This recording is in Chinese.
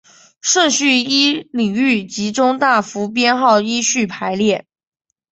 顺序依领域及中大服编号依序排列。